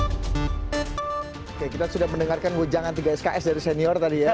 oke kita sudah mendengarkan wejangan tiga sks dari senior tadi ya